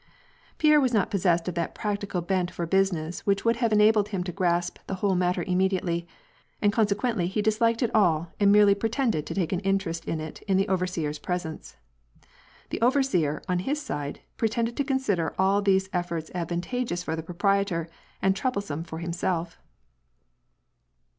Pierre was not possessed of that practical bent for business which would have enabled him to grasp the whole matter immediately, and condequently he disliked it all and merely pretended to take an interest in it in the overseer's presence. The overseer, on his side, pretended to consider all these ef forts advantageous for the proprietor, and troublesome for him self.